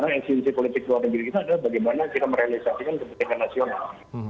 karena esensi politik luar negeri kita adalah bagaimana kita merealisasikan kepentingan nasional